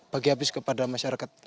bagi habis kepada masyarakat